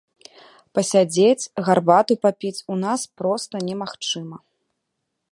Пасядзець, гарбату папіць у нас проста немагчыма.